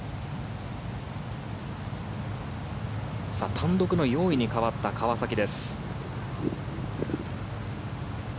単独４位に変わった川崎です。